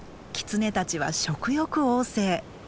キツネたちは食欲旺盛。